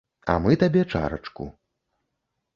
А мы табе чарачку.